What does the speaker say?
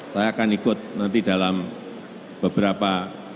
saya akan ikut nanti dalam beberapa